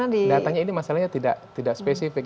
datanya ini masalahnya tidak spesifik